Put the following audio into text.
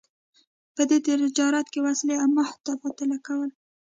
په دې تجارت کې وسلې او مهت تبادله کول.